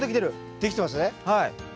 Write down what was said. できてますね。